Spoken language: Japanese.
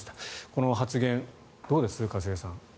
この発言、どうです一茂さん。